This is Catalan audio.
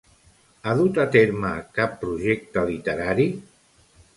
Ha dut a terme cap projecte literari?